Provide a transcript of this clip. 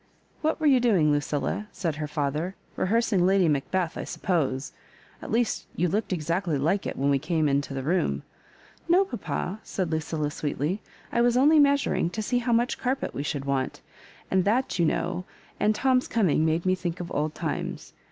What were you doing, Lucilla?" said her father, — "rehearsing Lady Macbeth, I suppose. At least you looked exactly like it when we came into the room.^ " No, papa," «aid Lucilla, sweetly ;" 1 was only measuring to see how much carpet we should want ; and that, you know, and Tom's coming, made me think of old times.